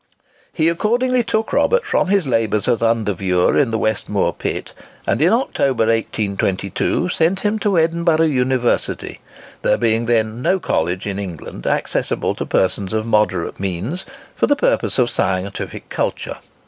He accordingly took Robert from his labours as under viewer in the West Moor Pit, and in October, 1822, sent him to the Edinburgh University, there being then no college in England accessible to persons of moderate means, for purposes of scientific culture.